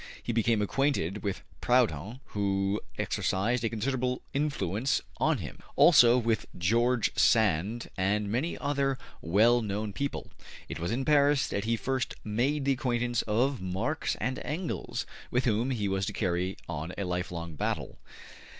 He became acquainted with Proudhon, who exercised a considerable influence on him; also with George Sand and many other well known people. It was in Paris that he first made the acquaintance of Marx and Engels, with whom he was to carry on a lifelong battle.